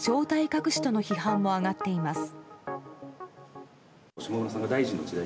隠しとの批判も上がっています。